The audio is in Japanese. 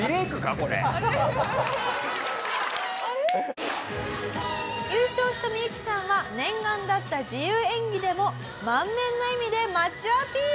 これ」「優勝したミユキさんは念願だった自由演技でも満面の笑みでマッチョアピール」